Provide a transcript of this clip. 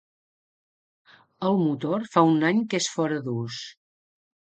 El motor fa un any que és fora d'ús.